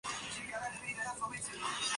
姚绪羌人。